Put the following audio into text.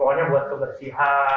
pokoknya buat kebersihan